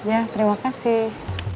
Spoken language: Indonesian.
ya terima kasih